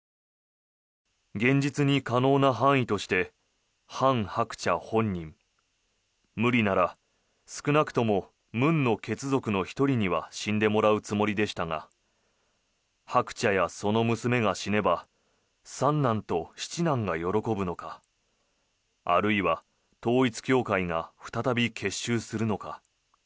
現実に可能な範囲としてハン・ハクチャ本人無理なら少なくともムンの血族の１人には死んでもらうつもりでしたがハクチャやその娘が死ねば三男と七男が喜ぶのかあるいは統一教会が再び結集するのか